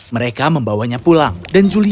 mereka membawanya pulang mereka membawanya pulang